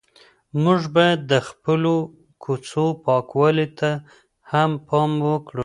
موږ باید د خپلو کوڅو پاکوالي ته هم پام وکړو.